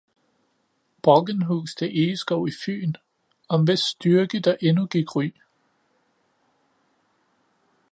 Brockenhuus til egeskov i fyn, om hvis styrke der endnu gik ry